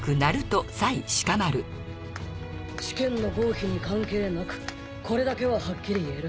試験の合否に関係なくこれだけははっきり言える。